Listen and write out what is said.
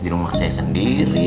di rumah saya sendiri